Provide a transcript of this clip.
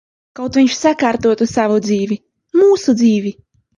Kaut viņš sakārtotu savu dzīvi. Mūsu dzīvi.